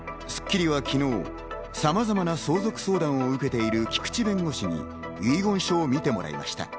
『スッキリ』は昨日、さまざまな相続相談を受けている菊地弁護士に遺言書を見てもらいました。